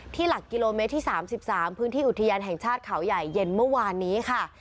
หลักกิโลเมตรที่๓๓พื้นที่อุทยานแห่งชาติเขาใหญ่เย็นเมื่อวานนี้ค่ะ